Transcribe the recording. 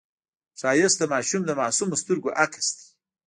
ښایست د ماشوم د معصومو سترګو عکس دی